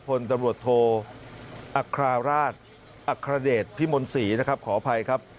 พลตำรวจโทอัคราราชอัครเดชพิมลศรีนะครับขออภัยครับ